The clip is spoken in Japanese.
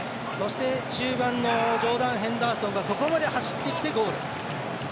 中盤のジョーダン・ヘンダーソンがここまで走ってきてゴール。